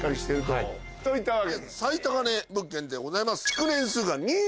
といったわけで最高値物件でございます。